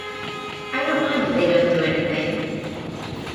I don't mind if they don't do anything.